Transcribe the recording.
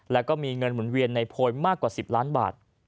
แล้วก็มีเงินหมุนเวียนในโพยมากกว่า๑๐ล้านบาท